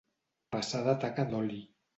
Passar de taca d'oli.